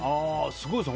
すごいですね。